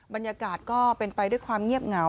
บรรยากาศก็เป็นไปด้วยความเงียบเหงา